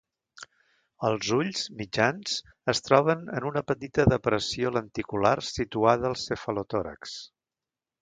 Els ulls, mitjans, es troben en una petita depressió lenticular situada al cefalotòrax.